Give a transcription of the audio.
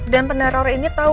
dan peneror ini tau